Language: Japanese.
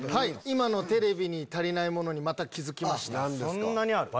今のテレビに足りないものまた気付きまして。